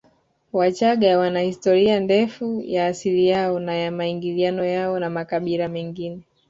Wachagga wana historia ndefu ya asili yao na ya maingiliano yao na makabila mengine